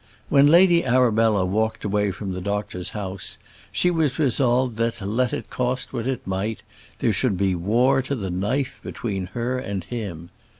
When Lady Arabella walked away from the doctor's house she resolved that, let it cost what it might, there should be war to the knife between her and him.